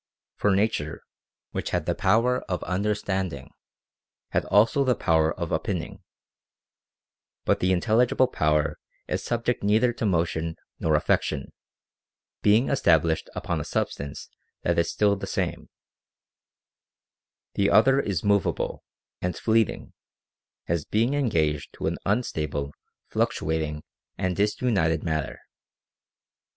For Nature, which had the power of understanding, had also the power of opining. But the intelligible power is sub ject neither to motion nor affection, being established upon * Timaeus, p. 37 A. OF THE PROCREATION OF THE SOUL. 353 a substance that is still the same. The other is movable and fleeting, as being engaged to an unstable, fluctuating, and disunited matter.